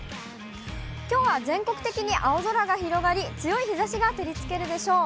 きょうは全国的に青空が広がり、強い日ざしが照りつけるでしょう。